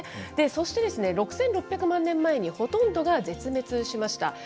そして６６００万年前にほとんどが絶滅しました。